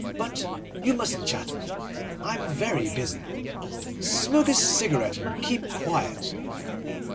But you mustn't chatter; I'm very busy. Smoke a cigarette, and keep quiet.